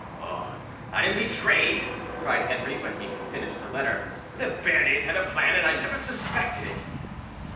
"Oh! I am betrayed," cried Henri, when he had finished the letter; "the Béarnais had a plan, and I never suspected it."